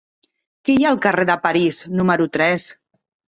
Què hi ha al carrer de París número tres?